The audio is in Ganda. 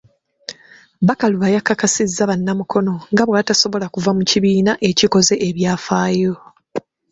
Bakaluba yakakasizza bannamukono nga bw’atasobola kuva mu kibiina ekikoze ebyafaayo.